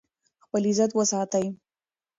خپل عزت وساتئ.